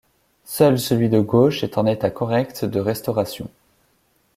Seul celui de Gauche est en état correct de restauration.